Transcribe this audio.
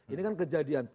ini kan kejadian